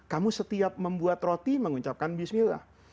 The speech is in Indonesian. kamu setiap membuat roti mengucapkan bismillah